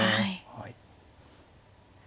はい。